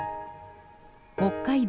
北海道